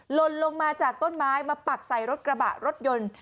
ลนลงมาจากต้นไม้มาปักใส่รถกระบะรถยนต์